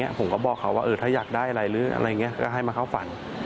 ก็ห่วงครับกลัวเหมือนกับเรา